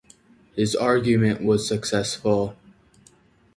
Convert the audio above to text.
His argument was successful.